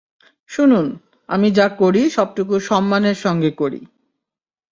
শুনুন, আমি যা করি সবটুকু সম্মানের সঙ্গে করি।